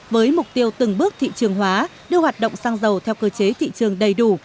với mục tiêu từng bước thị trường hóa đưa hoạt động xăng dầu theo cơ chế thị trường đầy đủ